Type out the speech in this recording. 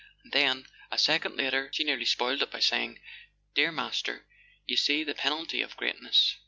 And then, a second later, she nearly spoiled it by saying: "Dear Master—you see the penalty of greatness!"